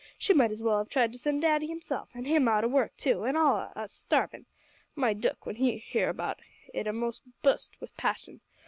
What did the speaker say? she might as well have tried to send daddy himself; an' him out o' work, too, an' all on us starvin'. My dook, when he hear about it a'most bust wi' passion.